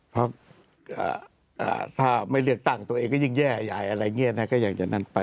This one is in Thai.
เพราะถ้าไม่เลือกตั้งตัวเองก็ยิ่งแย่ใหญ่อะไรอย่างนี้นะก็อย่างอย่างนั้นไป